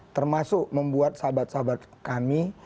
termasuk membuat sahabat sahabat kami